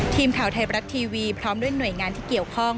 ทีมข่าวไทยรัฐทีวีพร้อมด้วยหน่วยงานที่เกี่ยวข้อง